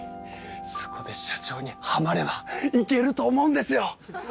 そこで社長にハマればいけると思うんですよ！